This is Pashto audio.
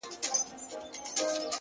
چاته د دار خبري ډيري ښې دي.